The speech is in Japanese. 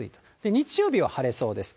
日曜日は晴れそうです。